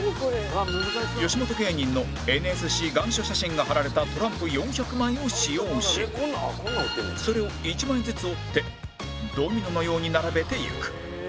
吉本芸人の ＮＳＣ 願書写真が貼られたトランプ４００枚を使用しそれを１枚ずつ折ってドミノのように並べていく